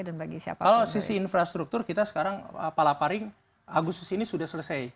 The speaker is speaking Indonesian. kalau sisi infrastruktur kita sekarang palaparing agustus ini sudah selesai